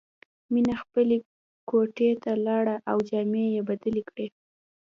مینه خپلې کوټې ته لاړه او جامې یې بدلې کړې